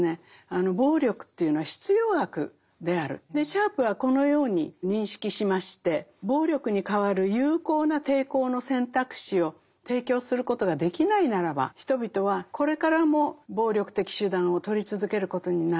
つまりシャープはこのように認識しまして暴力に代わる有効な抵抗の選択肢を提供することができないならば人々はこれからも暴力的手段をとり続けることになる。